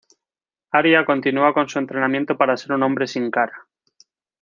Arya continúa con su entrenamiento para ser un hombre sin cara.